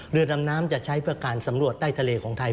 เรือดำน้ำจะใช้เพื่อการสำรวจใต้ทะเลของไทย